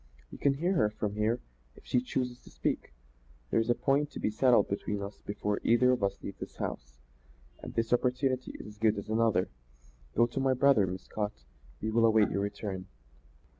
"You can hear her from here if she chooses to speak. There's a point to be settled between us before either of us leaves this house, and this opportunity is as good as another. Go to my brother, Miss Scott; we will await your return."